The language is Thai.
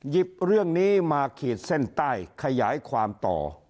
เรื่องนี้มาขีดเส้นใต้ขยายความต่อ